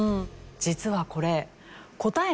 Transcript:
実はこれ。